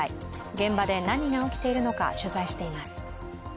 現場で何が起きているのか取材しています。